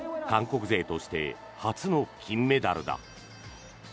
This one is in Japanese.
韓国勢として初の金メダルだ。